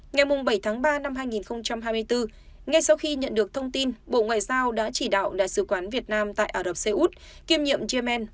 ngày bảy tháng ba năm hai nghìn hai mươi bốn ngay sau khi nhận được thông tin bộ ngoại giao đã chỉ đạo đại sứ quán việt nam tại ả rập xê út kiêm nhiệm yemen